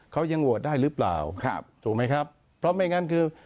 เขายังโหวตได้หรือเปล่าครับถูกไหมครับเพราะไม่งั้นคือ